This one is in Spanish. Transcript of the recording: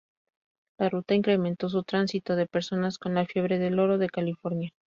La ruta incremento su tránsito de personas con la fiebre del oro de California.